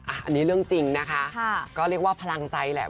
อันนี้เรื่องจริงนะคะก็เรียกว่าพลังใจแหละ